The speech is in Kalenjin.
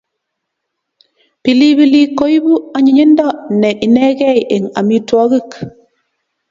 Pilipilik koipu anyinyindo ne inegei eng amitwogik